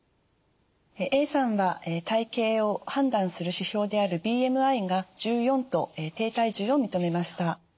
Ａさんは体型を判断する指標であるＢＭＩが１４と低体重を認めました。